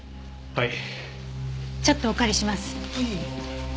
はい。